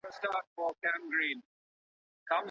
ولي مدام هڅاند د لایق کس په پرتله لاره اسانه کوي؟